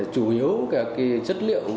chủ yếu các chất liệu